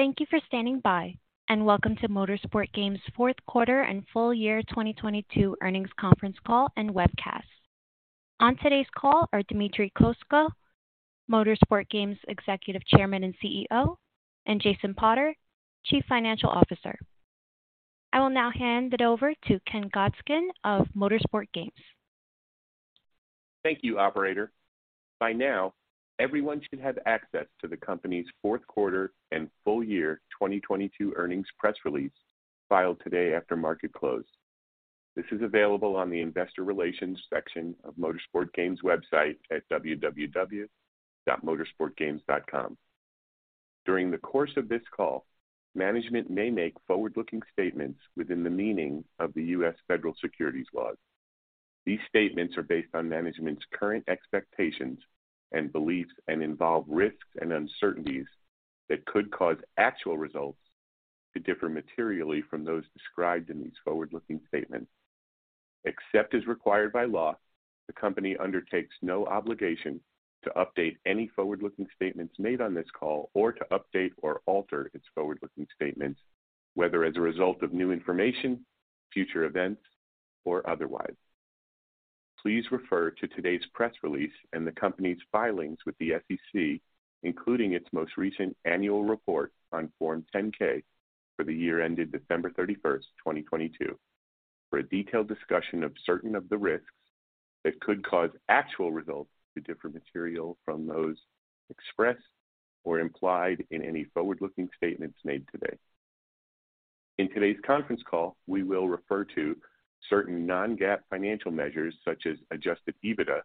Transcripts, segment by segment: Thank you for standing by. Welcome to Motorsport Games fourth quarter and full year 2022 earnings conference call and webcast. On today's call are Dmitry Kozko, Motorsport Games Executive Chairman and CEO, and Jason Potter, Chief Financial Officer. I will now hand it over to Ken Godskin of Motorsport Games. Thank you, operator. By now, everyone should have access to the company's fourth quarter and full year 2022 earnings press release filed today after market close. This is available on the investor relations section of Motorsport Games website at www.motorsportgames.com. During the course of this call, management may make forward-looking statements within the meaning of the U.S. Federal Securities laws. These statements are based on management's current expectations and beliefs and involve risks and uncertainties that could cause actual results to differ materially from those described in these forward-looking statements. Except as required by law, the company undertakes no obligation to update any forward-looking statements made on this call or to update or alter its forward-looking statements, whether as a result of new information, future events, or otherwise. Please refer to today's press release and the company's filings with the SEC, including its most recent annual report on Form 10-K for the year ended December 31st, 2022, for a detailed discussion of certain of the risks that could cause actual results to differ material from those expressed or implied in any forward-looking statements made today. In today's conference call, we will refer to certain non-GAAP financial measures, such as adjusted EBITDA,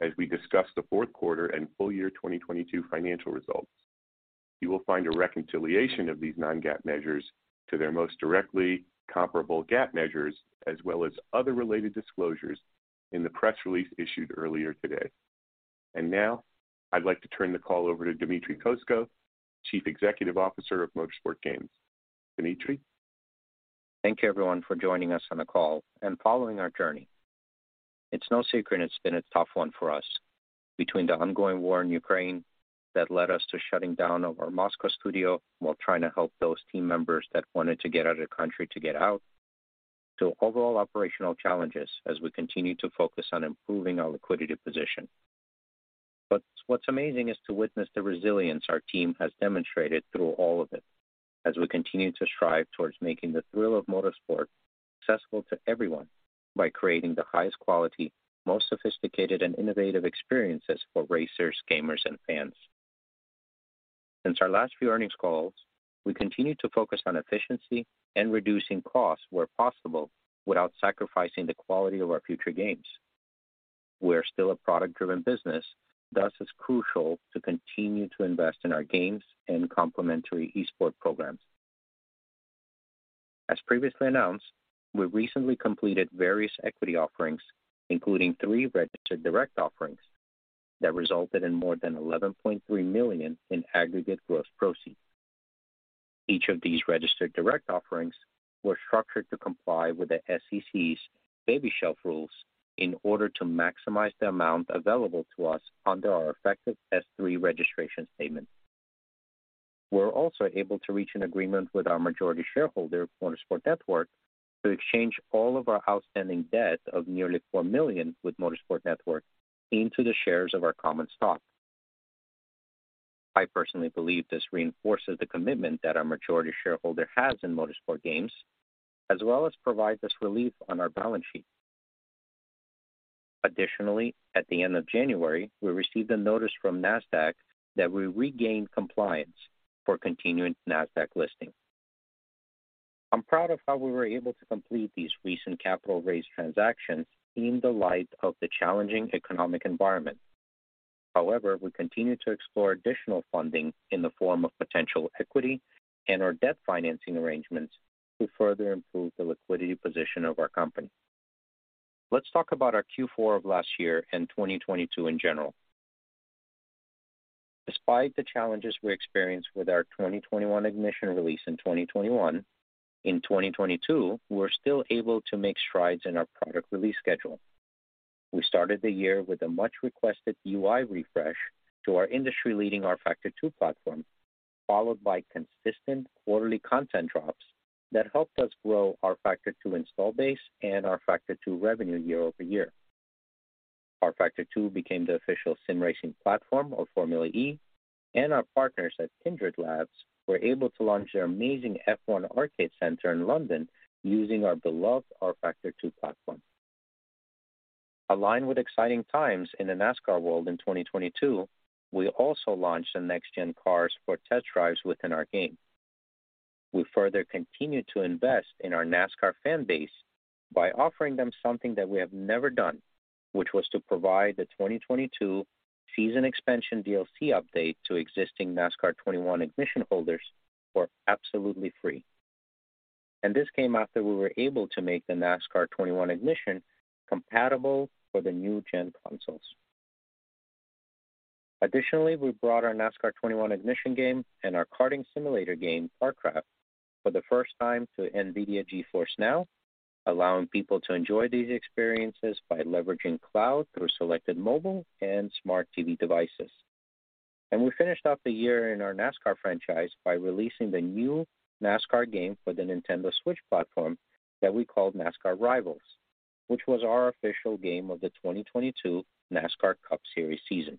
as we discuss the fourth quarter and full year 2022 financial results. You will find a reconciliation of these non-GAAP measures to their most directly comparable GAAP measures, as well as other related disclosures in the press release issued earlier today. Now I'd like to turn the call over to Dmitry Kozko, Chief Executive Officer of Motorsport Games. Dmitry? Thank you everyone for joining us on the call and following our journey. It's no secret it's been a tough one for us. Between the ongoing war in Ukraine that led us to shutting down our Moscow studio while trying to help those team members that wanted to get out of the country to get out, to overall operational challenges as we continue to focus on improving our liquidity position. What's amazing is to witness the resilience our team has demonstrated through all of it as we continue to strive towards making the thrill of motorsport successful to everyone by creating the highest quality, most sophisticated, and innovative experiences for racers, gamers, and fans. Since our last few earnings calls, we continue to focus on efficiency and reducing costs where possible without sacrificing the quality of our future games. We are still a product-driven business, thus it's crucial to continue to invest in our games and complementary Esports programs. As previously announced, we recently completed various equity offerings, including three registered direct offerings that resulted in more than $11.3 million in aggregate gross proceeds. Each of these registered direct offerings were structured to comply with the SEC's baby shelf rules in order to maximize the amount available to us under our effective S-3 registration statement. We're also able to reach an agreement with our majority shareholder, Motorsport Network, to exchange all of our outstanding debt of nearly $4 million with Motorsport Network into the shares of our common stock. I personally believe this reinforces the commitment that our majority shareholder has in Motorsport Games, as well as provides us relief on our balance sheet. Additionally, at the end of January, we received a notice from Nasdaq that we regained compliance for continuing Nasdaq listing. I'm proud of how we were able to complete these recent capital raise transactions in the light of the challenging economic environment. We continue to explore additional funding in the form of potential equity and/or debt financing arrangements to further improve the liquidity position of our company. Let's talk about our Q4 of last year and 2022 in general. Despite the challenges we experienced with our 2021 Ignition release in 2021, in 2022, we were still able to make strides in our product release schedule. We started the year with a much requested UI refresh to our industry-leading rFactor 2 platform, followed by consistent quarterly content drops that helped us grow our rFactor 2 install base and rFactor 2 revenue year-over-year. rFactor 2 became the official sim racing platform of Formula E. Our partners at Kindred Labs were able to launch their amazing F1 Arcade center in London using our beloved rFactor 2 platform. Aligned with exciting times in the NASCAR world in 2022, we also launched the Next Gen cars for test drives within our game. We further continued to invest in our NASCAR fan base by offering them something that we have never done, which was to provide the 2022 season expansion DLC update to existing NASCAR 21: Ignition holders for absolutely free. This came after we were able to make the NASCAR 21: Ignition compatible for the new gen consoles. Additionally, we brought our NASCAR 21: Ignition game and our karting simulator game, KartKraft, for the first time to NVIDIA GeForce NOW, allowing people to enjoy these experiences by leveraging cloud through selected mobile and smart TV devices. We finished off the year in our NASCAR franchise by releasing the new NASCAR game for the Nintendo Switch platform that we called NASCAR Rivals, which was our official game of the 2022 NASCAR Cup Series season.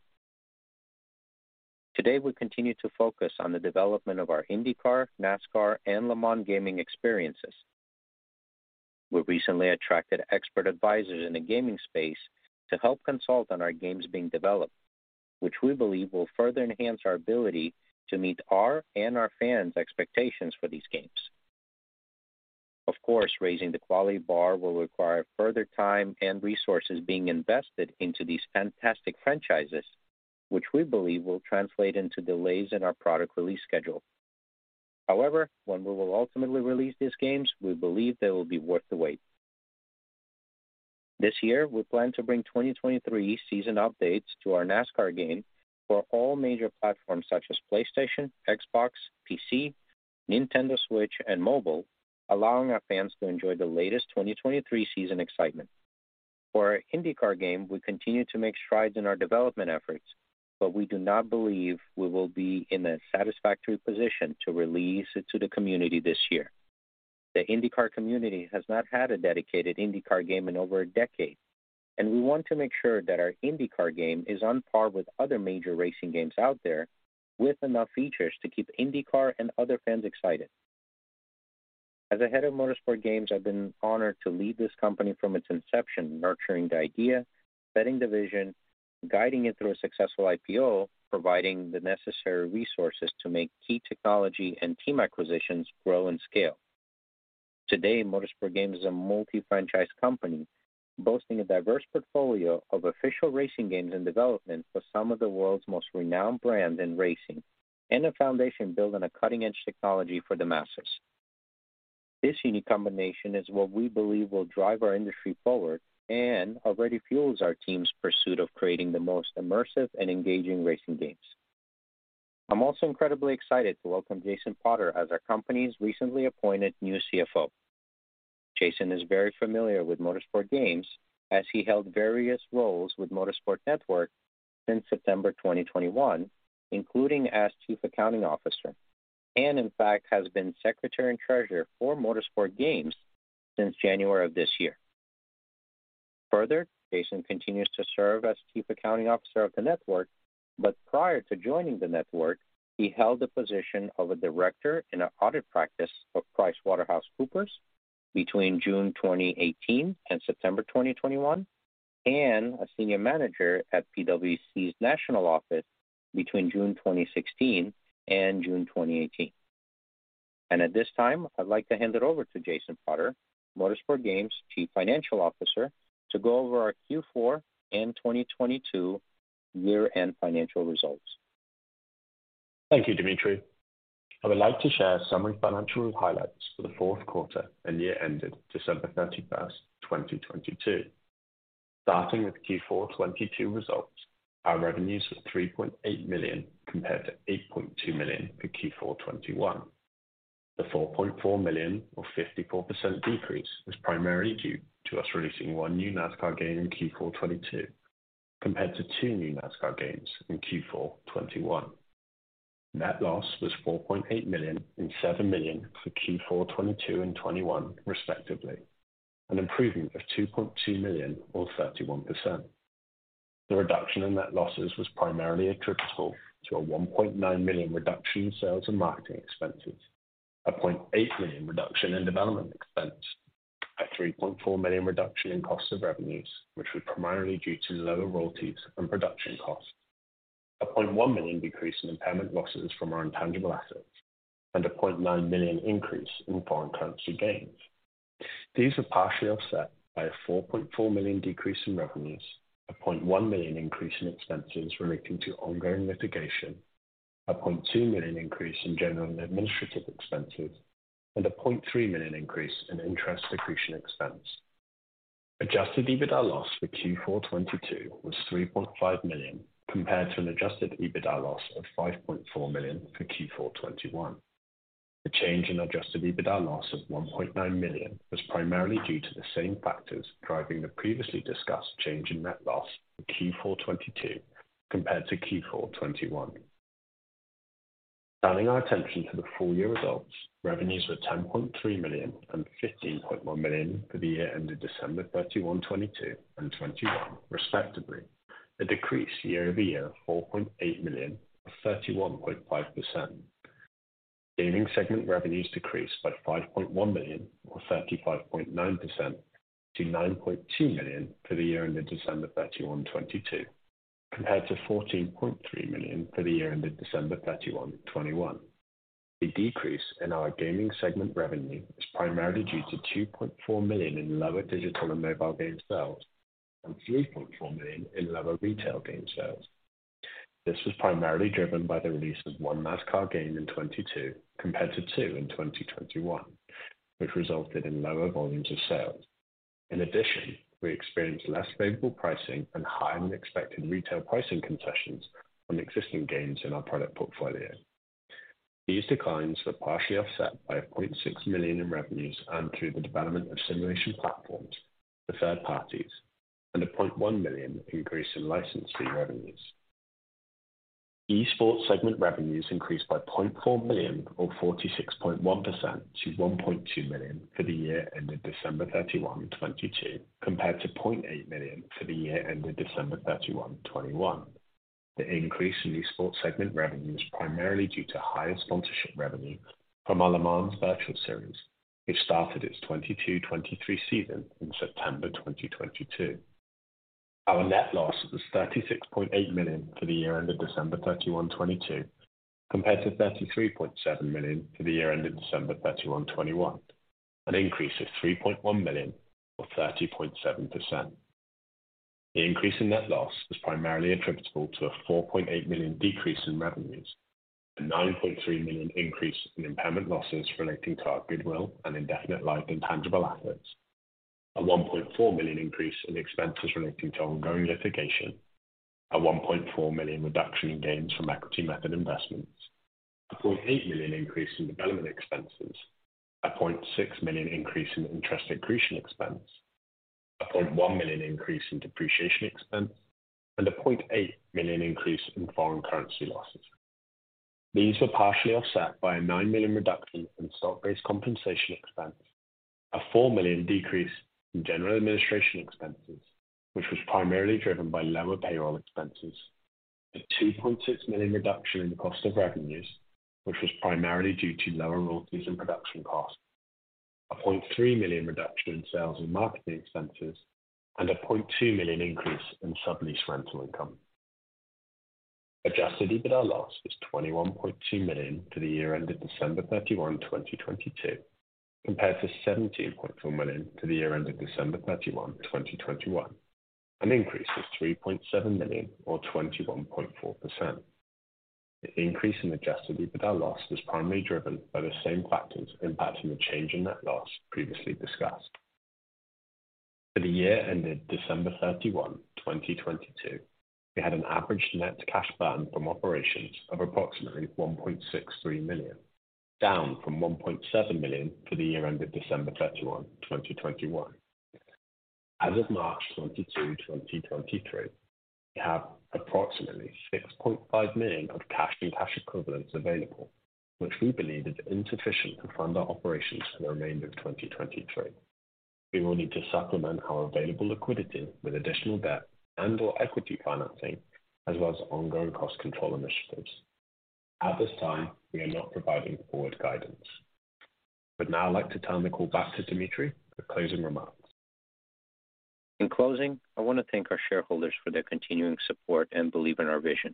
Today, we continue to focus on the development of our IndyCar, NASCAR, and Le Mans gaming experiences. We recently attracted expert advisors in the gaming space to help consult on our games being developed, which we believe will further enhance our ability to meet our and our fans' expectations for these games. Of course, raising the quality bar will require further time and resources being invested into these fantastic franchises, which we believe will translate into delays in our product release schedule. However, when we will ultimately release these games, we believe they will be worth the wait. This year, we plan to bring 2023 season updates to our NASCAR game for all major platforms, such as PlayStation, Xbox, PC, Nintendo Switch, and mobile, allowing our fans to enjoy the latest 2023 season excitement. For our IndyCar game, we continue to make strides in our development efforts, we do not believe we will be in a satisfactory position to release it to the community this year. The IndyCar community has not had a dedicated IndyCar game in over a decade. We want to make sure that our IndyCar game is on par with other major racing games out there with enough features to keep IndyCar and other fans excited. As the head of Motorsport Games, I've been honored to lead this company from its inception, nurturing the idea, setting the vision, guiding it through a successful IPO, providing the necessary resources to make key technology and team acquisitions grow and scale. Today, Motorsport Games is a multi-franchise company, boasting a diverse portfolio of official racing games and development for some of the world's most renowned brands in racing, and a foundation built on a cutting-edge technology for the masses. This unique combination is what we believe will drive our industry forward and already fuels our team's pursuit of creating the most immersive and engaging racing games. I'm also incredibly excited to welcome Jason Potter as our company's recently appointed new CFO. Jason is very familiar with Motorsport Games as he held various roles with Motorsport Network since September 2021, including as Chief Accounting Officer, and in fact has been Secretary and Treasurer for Motorsport Games since January of this year. Further, Jason continues to serve as Chief Accounting Officer of the network, but prior to joining the network, he held the position of a Director in an audit practice for PricewaterhouseCoopers between June 2018 and September 2021, and a Senior Manager at PwC's national office between June 2016 and June 2018. At this time, I'd like to hand it over to Jason Potter, Motorsport Games chief financial officer, to go over our Q4 and 2022 year-end financial results. Thank you, Dmitry. I would like to share summary financial highlights for the fourth quarter and year ended December 31st, 2022. Starting with Q4 2022 results, our revenues were $3.8 million compared to $8.2 million for Q4 2021. The $4.4 million or 54% decrease was primarily due to us releasing one new NASCAR game in Q4 2022, compared to two new NASCAR games in Q4 2021. Net loss was $4.8 million and $7 million for Q4 2022 and 2021 respectively, an improvement of $2.2 million or 31%. The reduction in net losses was primarily attributable to a $1.9 million reduction in sales and marketing expenses, a $0.8 million reduction in development expense, a $3.4 million reduction in cost of revenues, which was primarily due to lower royalties and production costs, a $0.1 million decrease in impairment losses from our intangible assets, and a $0.9 million increase in foreign currency gains. These were partially offset by a $4.4 million decrease in revenues, a $0.1 million increase in expenses relating to ongoing litigation, a $0.2 million increase in general and administrative expenses, and a $0.3 million increase in interest accretion expense. Adjusted EBITDA loss for Q4 2022 was $3.5 million, compared to an Adjusted EBITDA loss of $5.4 million for Q4 2021. The change in adjusted EBITDA loss of $1.9 million was primarily due to the same factors driving the previously discussed change in net loss for Q4 2022 compared to Q4 2021. Turning our attention to the full year results, revenues were $10.3 million and $15.1 million for the year ended December 31, 2022 and 2021, respectively, a decrease year-over-year of $4.8 million or 31.5%. Gaming segment revenues decreased by $5.1 million or 35.9% to $9.2 million for the year ended December 31, 2022, compared to $14.3 million for the year ended December 31, 2021. The decrease in our gaming segment revenue is primarily due to $2.4 million in lower digital and mobile game sales and $3.4 million in lower retail game sales. This was primarily driven by the release of one NASCAR game in 2022 compared to two in 2021. Which resulted in lower volumes of sales. In addition, we experienced less favorable pricing and higher-than-expected retail pricing concessions on existing games in our product portfolio. These declines were partially offset by a $0.6 million in revenues and through the development of simulation platforms to third parties and a $0.1 million increase in license fee revenues. Esports segment revenues increased by $0.4 million or 46.1% to $1.2 million for the year ended December 31, 2022, compared to $0.8 million for the year ended December 31, 2021. The increase in Esports segment revenue is primarily due to higher sponsorship revenue from our Le Mans Virtual Series, which started its 2022-2023 season in September 2022. Our net loss was $36.8 million for the year ended December 31, 2022, compared to $33.7 million for the year ended December 31, 2021, an increase of $3.1 million or 30.7%. The increase in net loss was primarily attributable to a $4.8 million decrease in revenues, a $9.3 million increase in impairment losses relating to our goodwill and indefinite life intangible assets, a $1.4 million increase in expenses relating to ongoing litigation, a $1.4 million reduction in gains from equity method investments, a $0.8 million increase in development expenses, a $0.6 million increase in interest accretion expense, a $0.1 million increase in depreciation expense, and a $0.8 million increase in foreign currency losses. These were partially offset by a $9 million reduction in stock-based compensation expense, a $4 million decrease in general administration expenses, which was primarily driven by lower payroll expenses, a $2.6 million reduction in the cost of revenues, which was primarily due to lower royalties and production costs, a $0.3 million reduction in sales and marketing expenses, and a $0.2 million increase in sublease rental income. Adjusted EBITDA loss was $21.2 million for the year ended December 31, 2022, compared to $17.4 million for the year ended December 31, 2021, an increase of $3.7 million or 21.4%. The increase in adjusted EBITDA loss was primarily driven by the same factors impacting the change in net loss previously discussed. For the year ended December 31, 2022, we had an average net cash burn from operations of approximately $1.63 million, down from $1.7 million for the year ended December 31, 2021. As of March 22, 2023, we have approximately $6.5 million of cash and cash equivalents available, which we believe is insufficient to fund our operations for the remainder of 2023. We will need to supplement our available liquidity with additional debt and/or equity financing, as well as ongoing cost control initiatives. At this time, we are not providing forward guidance. I would now like to turn the call back to Dmitry for closing remarks. In closing, I want to thank our shareholders for their continuing support and belief in our vision.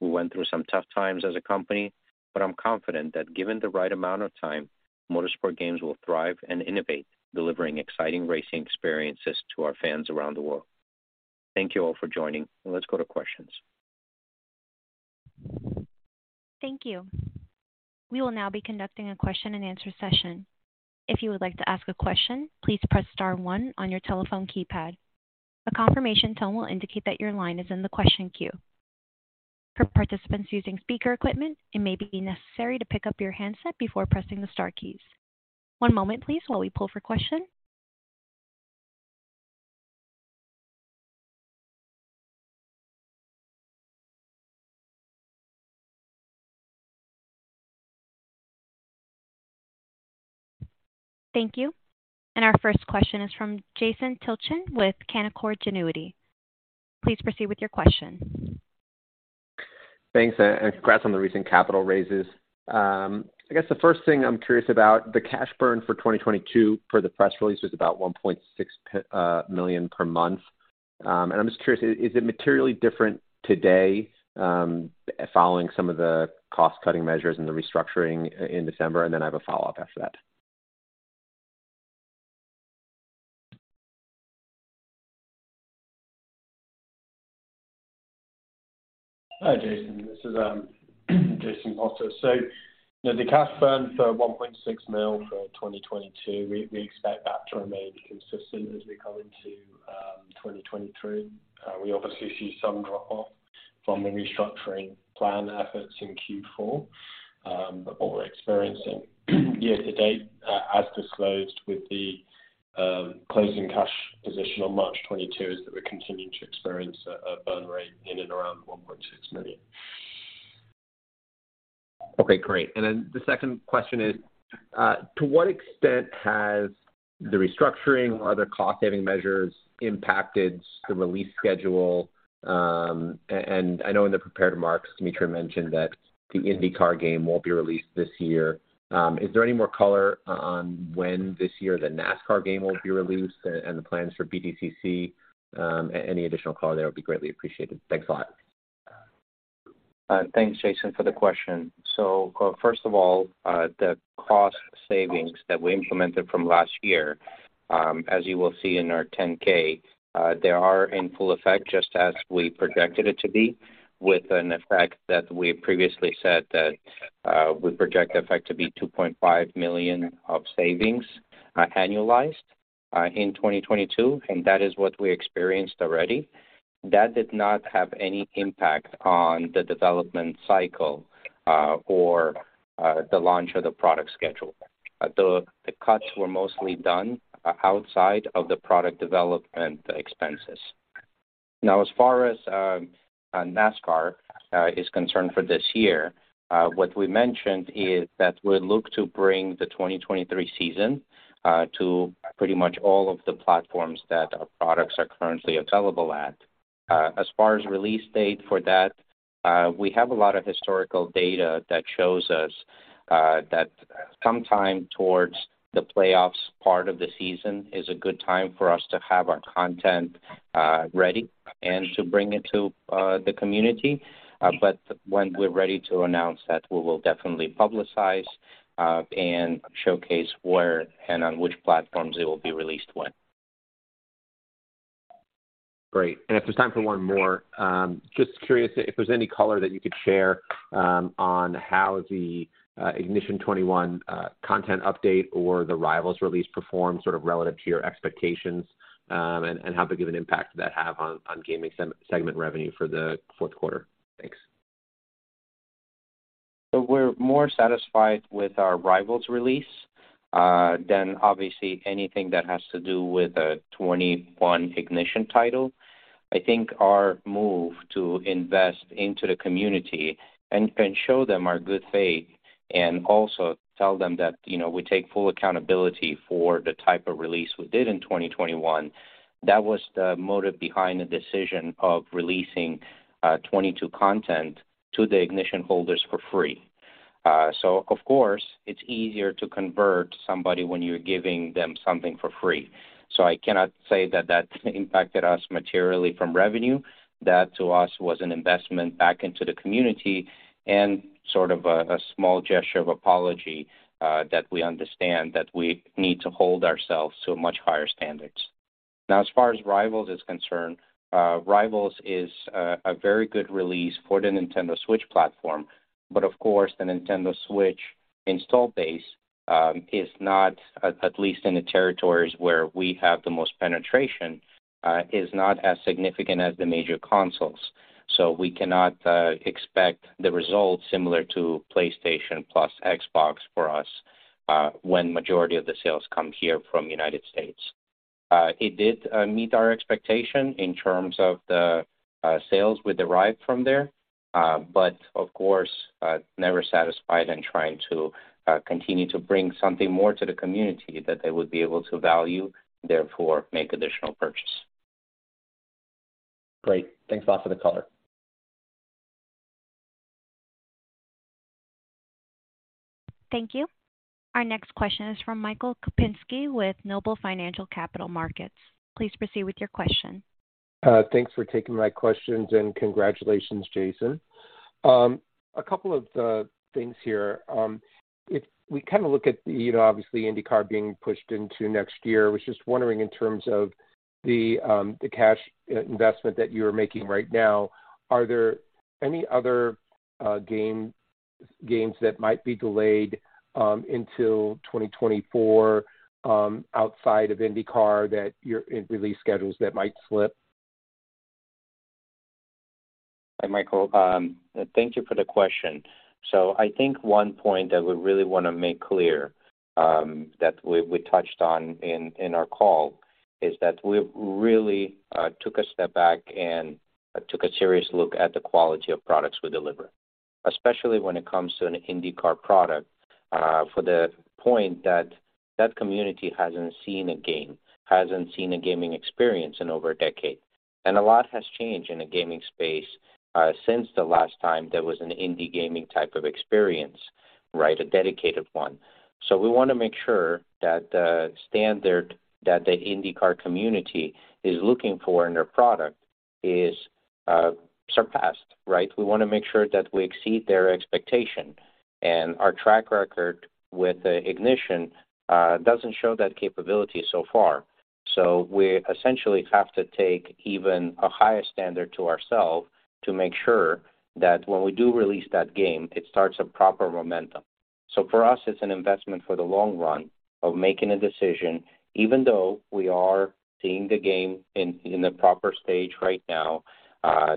We went through some tough times as a company, but I'm confident that given the right amount of time, Motorsport Games will thrive and innovate, delivering exciting racing experiences to our fans around the world. Thank you all for joining, and let's go to questions. Thank you. We will now be conducting a question-and-answer session. If you would like to ask a question, please press star one on your telephone keypad. A confirmation tone will indicate that your line is in the question queue. For participants using speaker equipment, it may be necessary to pick up your handset before pressing the star keys. One moment please while we pull for question. Thank you. Our first question is from Jason Tilchen with Canaccord Genuity. Please proceed with your question. Thanks, and congrats on the recent capital raises. I guess the first thing I'm curious about, the cash burn for 2022 per the press release was about $1.6 million per month. I'm just curious, is it materially different today, following some of the cost-cutting measures and the restructuring in December? I have a follow-up after that. Hi, Jason. This is Jason Potter. The cash burn for $1.6 million for 2022, we expect that to remain consistent as we come into 2023. We obviously see some drop-off from the restructuring plan efforts in Q4. What we're experiencing year to date, as disclosed with the closing cash position on March 22, is that we're continuing to experience a burn rate in and around $1.6 million. Okay, great. The second question is, to what extent has the restructuring or other cost-saving measures impacted the release schedule? I know in the prepared remarks, Dmitry mentioned that the IndyCar game won't be released this year. Is there any more color on when this year the NASCAR game will be released and the plans for BTCC? Any additional color there would be greatly appreciated. Thanks a lot. Thanks, Jason, for the question. First of all, the cost savings that we implemented from last year, as you will see in our 10-K, they are in full effect just as we projected it to be, with an effect that we previously said that we project the effect to be $2.5 million of savings, annualized. In 2022, that is what we experienced already. That did not have any impact on the development cycle or the launch of the product schedule. The cuts were mostly done outside of the product development expenses. As far as NASCAR is concerned for this year, what we mentioned is that we look to bring the 2023 season to pretty much all of the platforms that our products are currently available at. As far as release date for that, we have a lot of historical data that shows us that sometime towards the playoffs part of the season is a good time for us to have our content ready and to bring it to the community. When we're ready to announce that, we will definitely publicize and showcase where and on which platforms it will be released when. Great. If there's time for one more, just curious if there's any color that you could share on how the Ignition 2021 content update or the Rivals release performed sort of relative to your expectations, and how big of an impact did that have on gaming segment revenue for the fourth quarter? Thanks. We're more satisfied with our Rivals release than obviously anything that has to do with the 2021 Ignition title. I think our move to invest into the community and show them our good faith and also tell them that, you know, we take full accountability for the type of release we did in 2021, that was the motive behind the decision of releasing 2022 content to the Ignition holders for free. Of course it's easier to convert somebody when you're giving them something for free. I cannot say that that impacted us materially from revenue. That to us was an investment back into the community and sort of a small gesture of apology that we understand that we need to hold ourselves to a much higher standards. As far as Rivals is concerned, Rivals is a very good release for the Nintendo Switch platform, of course, the Nintendo Switch install base, at least in the territories where we have the most penetration, is not as significant as the major consoles. We cannot expect the results similar to PlayStation plus Xbox for us, when majority of the sales come here from United States. It did meet our expectation in terms of the sales we derived from there. Of course, never satisfied in trying to continue to bring something more to the community that they would be able to value, therefore make additional purchase. Great. Thanks a lot for the color. Thank you. Our next question is from Michael Kupinski with Noble Capital Markets. Please proceed with your question. Thanks for taking my questions and congratulations, Jason. A couple of things here. If we kind of look at, you know, obviously IndyCar being pushed into next year, was just wondering in terms of the cash investment that you're making right now, are there any other games that might be delayed until 2024 outside of IndyCar that you're in release schedules that might slip? Hi, Michael. Thank you for the question. I think one point that we really wanna make clear, that we touched on in our call is that we really took a step back and took a serious look at the quality of products we deliver, especially when it comes to an IndyCar product, for the point that community hasn't seen a game, hasn't seen a gaming experience in over a decade. A lot has changed in the gaming space since the last time there was an Indy gaming type of experience, right? A dedicated one. We wanna make sure that the standard that the IndyCar community is looking for in their product is surpassed, right? We wanna make sure that we exceed their expectation. Our track record with the Ignition doesn't show that capability so far. We essentially have to take even a higher standard to ourselves to make sure that when we do release that game, it starts a proper momentum. For us, it's an investment for the long run of making a decision, even though we are seeing the game in the proper stage right now.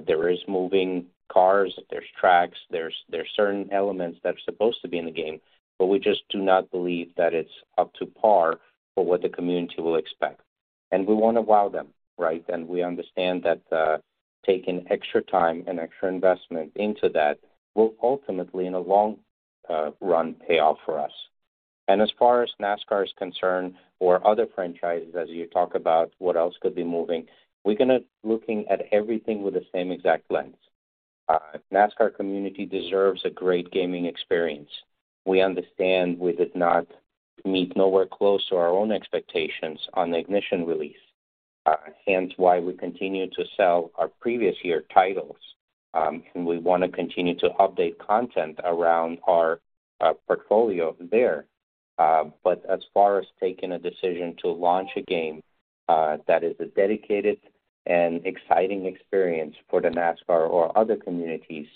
There is moving cars, there's tracks, there's certain elements that are supposed to be in the game, but we just do not believe that it's up to par for what the community will expect. We wanna wow them, right? We understand that taking extra time and extra investment into that will ultimately, in the long run, pay off for us. As far as NASCAR is concerned or other franchises as you talk about what else could be moving, we're looking at everything with the same exact lens. NASCAR community deserves a great gaming experience. We understand we did not meet nowhere close to our own expectations on the Ignition release, hence why we continue to sell our previous year titles. We wanna continue to update content around our portfolio there. As far as taking a decision to launch a game, that is a dedicated and exciting experience for the NASCAR or other communities.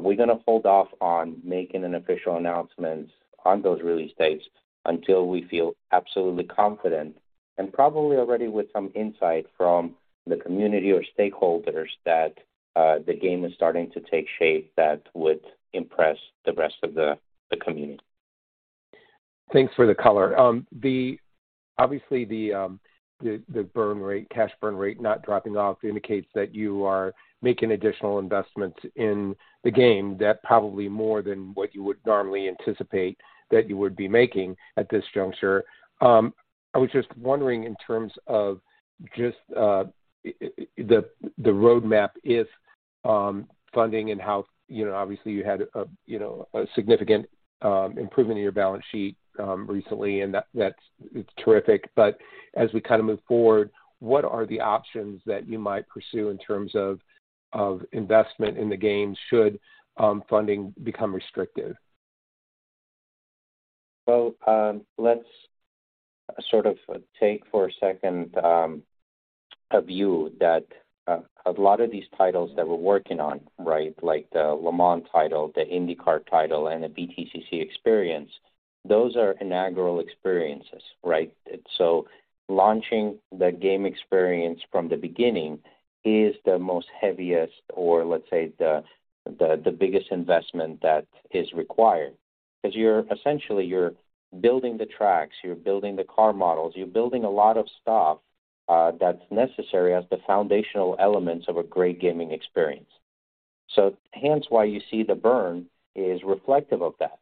We're gonna hold off on making an official announcement on those release dates until we feel absolutely confident and probably already with some insight from the community or stakeholders that the game is starting to take shape that would impress the rest of the community. Thanks for the color. Obviously the burn rate, cash burn rate not dropping off indicates that you are making additional investments in the game that probably more than what you would normally anticipate that you would be making at this juncture. I was just wondering, in terms of just the roadmap, if funding and how, you know, obviously you had a, you know, a significant improvement in your balance sheet recently, and that's terrific. As we kinda move forward, what are the options that you might pursue in terms of investment in the game should funding become restricted? Well, let's sort of take for a second a view that a lot of these titles that we're working on, right, like the Le Mans title, the IndyCar title, and the BTCC Experience, those are inaugural experiences, right? Launching the game experience from the beginning is the most heaviest or let's say the biggest investment that is required. 'Cause essentially you're building the tracks, you're building the car models, you're building a lot of stuff that's necessary as the foundational elements of a great gaming experience. Hence why you see the burn is reflective of that,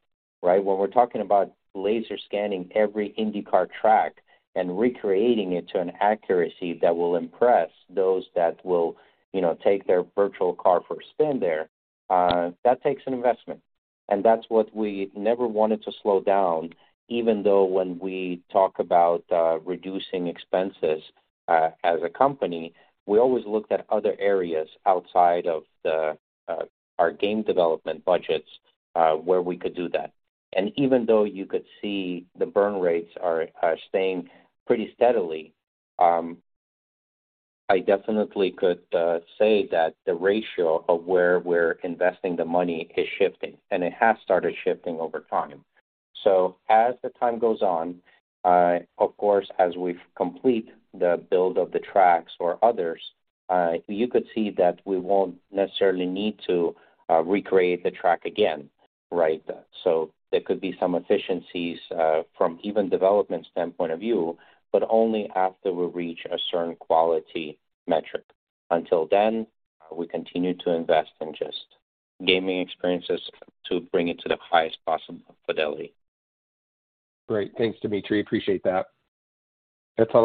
right? When we're talking about laser scanning every IndyCar track and recreating it to an accuracy that will impress those that will, you know, take their virtual car for a spin there, that takes an investment. That's what we never wanted to slow down, even though when we talk about reducing expenses as a company, we always looked at other areas outside of our game development budgets where we could do that. Even though you could see the burn rates are staying pretty steadily, I definitely could say that the ratio of where we're investing the money is shifting, and it has started shifting over time. As the time goes on, of course, as we complete the build of the tracks or others, you could see that we won't necessarily need to recreate the track again, right? There could be some efficiencies from even development standpoint of view, but only after we reach a certain quality metric. Until then, we continue to invest in just gaming experiences to bring it to the highest possible fidelity. Great. Thanks, Dmitry. Appreciate that. That's all.